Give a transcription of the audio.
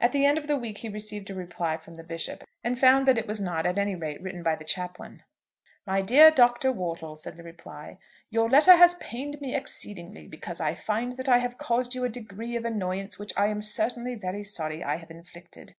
At the end of the week he received a reply from the Bishop, and found that it was not, at any rate, written by the chaplain. "MY DEAR DR. WORTLE," said the reply; "your letter has pained me exceedingly, because I find that I have caused you a degree of annoyance which I am certainly very sorry I have inflicted.